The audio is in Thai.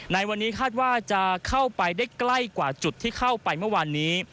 ในวันนี้คาดว่าจะเข้าไปได้ใกล้กว่าจุดที่เข้าไปเมื่อวานนี้